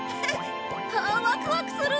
ああワクワクする！